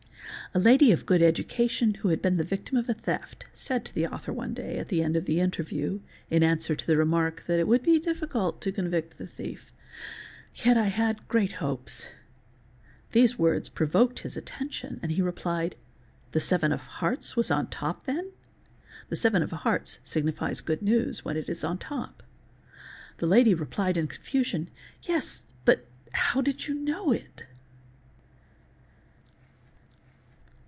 4 A lady of good education who had been the victim of a theft said to the author one day at the end of the interview, in answer to the remark that it would be difficult to convict the thief—'' yet I had great hopes." 'These words provoked his attention and he replied: "the seven of hearts was on top, then?' (the seven of hearts signifies good news when it is on _ top). The lady replied in confusion " Yes, but how did you know it...?"